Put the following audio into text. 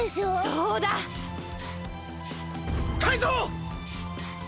そうだ！タイゾウ！